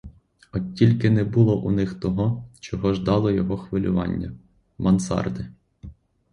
От тільки не було у них того, чого ждало його хвилювання: мансарди.